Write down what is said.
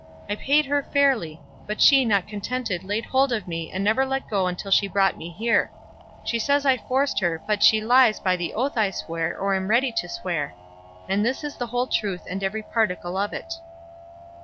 I paid her fairly, but she not contented laid hold of me and never let go until she brought me here; she says I forced her, but she lies by the oath I swear or am ready to swear; and this is the whole truth and every particle of it."